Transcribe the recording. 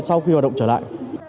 sau khi hoạt động trở lại